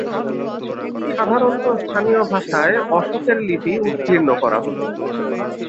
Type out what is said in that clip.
সাধারণত স্থানীয় ভাষায় অশোকের লিপি উৎকীর্ণ করা হতো।